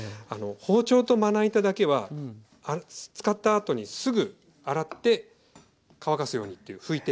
包丁とまな板だけは使った後にすぐ洗って乾かすようにっていう拭いて。